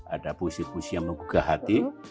ada puisi puisi yang menggugah hati